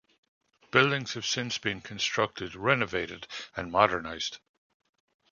Buildings have since been constructed, renovated, and modernized.